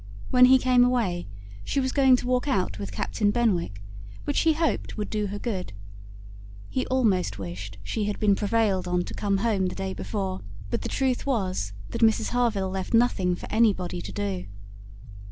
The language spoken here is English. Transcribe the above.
When he came away, she was going to walk out with Captain Benwick, which, he hoped, would do her good. He almost wished she had been prevailed on to come home the day before; but the truth was, that Mrs Harville left nothing for anybody to do."